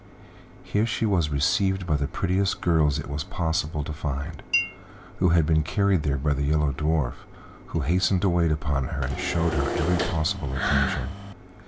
Here she was received by the prettiest girls it was possible to find, who had been carried there by the Yellow Dwarf, who hastened to wait upon her and showed her every possible attention.